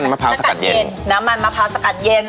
มะพร้าสกัดเย็นน้ำมันมะพร้าวสกัดเย็น